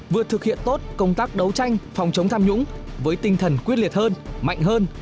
vừa thực hiện tốt công tác đấu tranh phòng chống tham nhũng với tinh thần quyết liệt hơn mạnh hơn